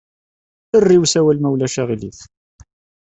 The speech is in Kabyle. Err i usawal, ma ulac aɣilif.